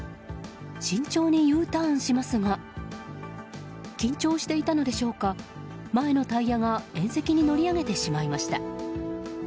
慎重にＵターンしますが緊張していたのでしょうか前のタイヤが縁石に乗り上げてしまいました。